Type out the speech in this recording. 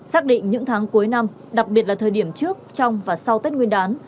xác định những tháng cuối năm đặc biệt là thời điểm trước trong và sau tết nguyên đán